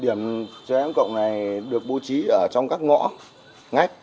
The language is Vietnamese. điểm chế ám cộng này được bố trí ở trong các ngõ ngách